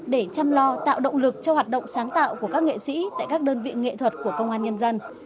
để chăm lo tạo động lực cho hoạt động sáng tạo của các nghệ sĩ tại các đơn vị nghệ thuật của công an nhân dân